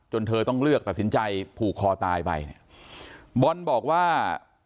เธอต้องเลือกตัดสินใจผูกคอตายไปเนี่ยบอลบอกว่า